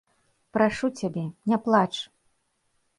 Прашу цябе, не плач!